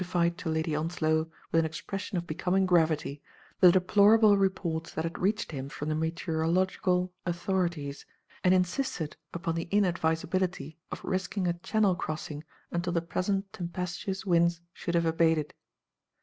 fied to Lady Onslow, with an expression of be coming gravity, the deplorable reports that had reached him from the meteorological authorities; and insisted upon the inadvisability of risking a Channel crossing until the present tempestuous winds should have abated.